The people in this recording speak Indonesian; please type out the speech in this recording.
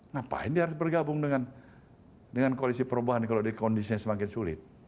ngapain dia harus bergabung dengan koalisi perubahan kalau kondisinya semakin sulit